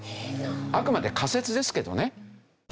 あくまで仮説ですけどね。